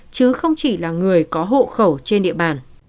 chứ không chỉ là người có hộ khẩu trên địa bàn